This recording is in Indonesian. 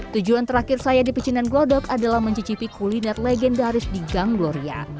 tujuan terakhir saya di pecinan glodok adalah mencicipi kuliner legendaris di gang gloria